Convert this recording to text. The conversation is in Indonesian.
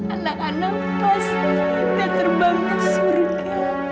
anak anak pasti udah terbang ke surga